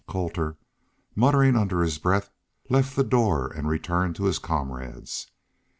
Colter, muttering under his breath, left the door and returned to his comrades.